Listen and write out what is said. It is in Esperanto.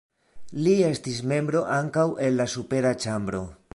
Li estis membro ankaŭ en la supera ĉambro.